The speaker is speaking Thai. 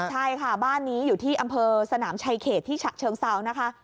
ใช่ค่ะบ้านนี้อยู่ที่อำเภอสนามชายเขตที่ฉะเชิงเซานะคะ